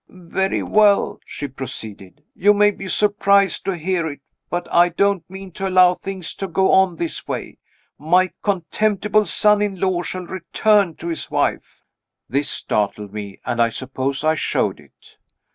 "Very well," she proceeded. "You may be surprised to hear it but I don't mean to allow things to go on in this way. My contemptible son in law shall return to his wife." This startled me, and I suppose I showed it.